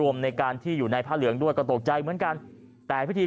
ในการที่อยู่ในผ้าเหลืองด้วยก็ตกใจเหมือนกันแต่พิธี